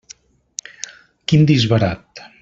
Quin disbarat!